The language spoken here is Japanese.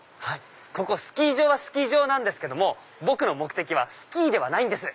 ここスキー場はスキー場なんですけども僕の目的はスキーではないんです。